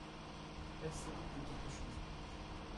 Elle se doute de quelque chose !